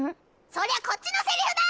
そりゃこっちのセリフだ！